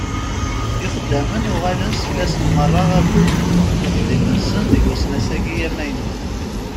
Ixeddamen uɣalen seklasen meṛṛa akud n uxeddim-nsen deg usnas-agi amaynut.